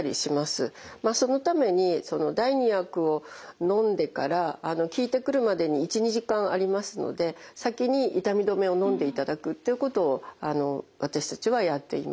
そのために第２薬をのんでから効いてくるまでに１２時間ありますので先に痛み止めをのんでいただくということを私たちはやっています。